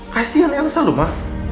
kasian elsa ma